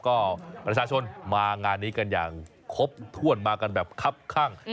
ก็ประชาชนมางานนี้กันอย่างครบถ้วนมากันแบบคับข้าง